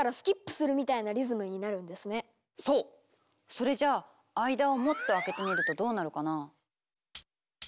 それじゃあ間をもっと空けてみるとどうなるかな？